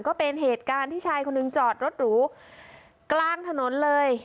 ก็เป็นเหตุการณ์ที่ชายคนหนึ่งจอดรถหรูกลางถนนเลย